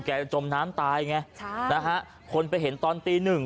จะจมน้ำตายไงใช่นะฮะคนไปเห็นตอนตีหนึ่ง